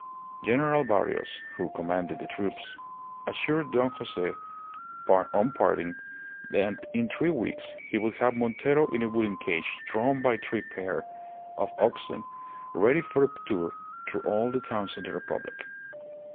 General Barrios, who commanded the troops, assured Don Jose on parting that in three weeks he would have Montero in a wooden cage drawn by three pair of oxen ready for a tour through all the towns of the Republic.